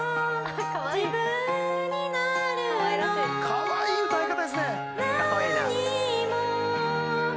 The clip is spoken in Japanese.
かわいい歌い方ですね。